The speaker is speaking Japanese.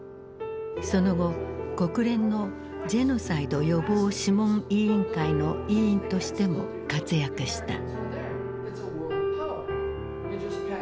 その後国連のジェノサイド予防諮問委員会の委員としても活躍した。